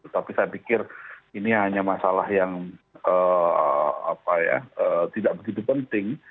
tapi saya pikir ini hanya masalah yang tidak begitu penting